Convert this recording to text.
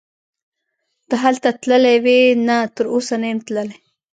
ته هلته تللی وې؟ نه تراوسه نه یم تللی.